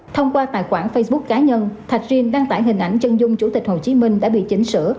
thông qua tài khoản facebook cá nhân thạch riêng đăng tải hình ảnh chân dung chủ tịch hồ chí minh đã bị chỉnh sửa